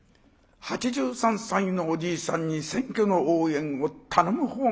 ８３歳のおじいさんに選挙の応援を頼むほうも。